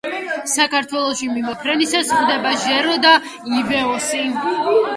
საქართველოში მიმოფრენისას გვხვდება ჟერო და ივეოსი.